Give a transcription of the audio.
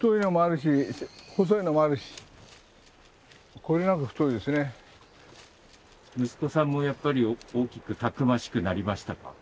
息子さんもやっぱり大きくたくましくなりましたか？